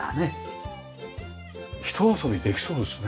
ひと遊びできそうですね。